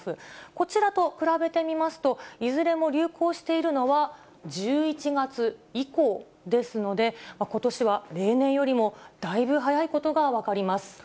こちらと比べてみますと、いずれも流行しているのは１１月以降ですので、ことしは例年よりもだいぶ早いことが分かります。